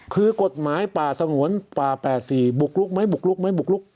คือกฎหมายป่าสงวนป่า๘๔บุกลุกไหมบุกลุกไหมบุกลุก